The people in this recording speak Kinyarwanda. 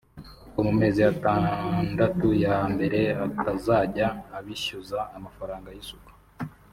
kuko mu mezi atandatu ya mbere atazajya abishyuza amafaranga y’isuku